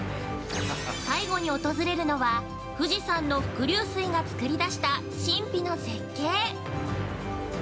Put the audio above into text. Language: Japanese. ◆最後に訪れるのは、富士山の伏流水が作り出した神秘の絶景！